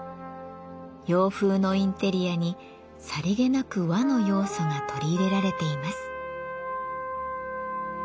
洋風のインテリアにさりげなく和の要素が取り入れられています。